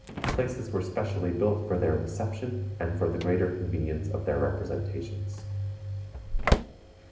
Places were specially built for their reception, and for the greater convenience of their representations.